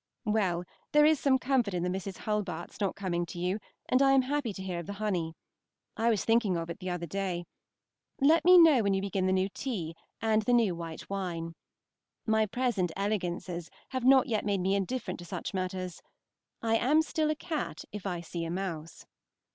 Well, there is some comfort in the Mrs. Hulbart's not coming to you, and I am happy to hear of the honey. I was thinking of it the other day. Let me know when you begin the new tea and the new white wine. My present elegances have not yet made me indifferent to such matters. I am still a cat if I see a mouse.